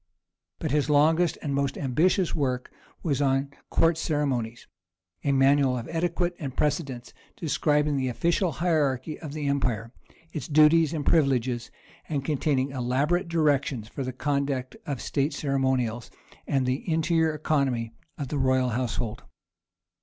But his longest and most ambitious work was on Court Ceremonies, a manual of etiquette and precedence, describing the official hierarchy of the empire, its duties and privileges, and containing elaborate directions for the conduct of state ceremonials and the interior economy of the royal household.